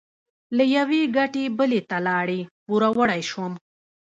له یوې ګټې بلې ته لاړې؛ پوروړی شوم.